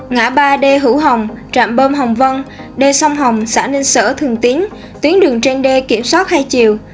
ngã ba d hữu hồng trạm bơm hồng vân d sông hồng xã ninh sở thường tín tuyến đường trên đê kiểm soát hai chiều